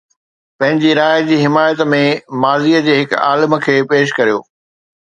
پنهنجي راءِ جي حمايت ۾ ماضيءَ جي هڪ عالم کي پيش ڪريو.